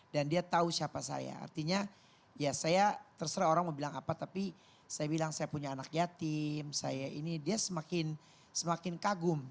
dan dia tahu siapa saya artinya ya saya terserah orang mau bilang apa tapi saya bilang saya punya anak yatim saya ini dia semakin kagum